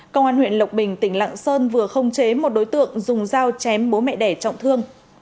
công an huyện lộc bình tỉnh lạng sơn vừa không chế một đối tượng dùng dao chém bố mẹ đẻ trọng thương